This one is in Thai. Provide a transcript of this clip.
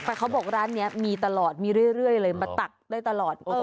แต่เขาบอกร้านนี้มีตลอดมีเรื่อยเลยมาตักได้ตลอด